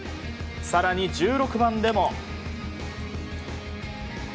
更に、１６番でも。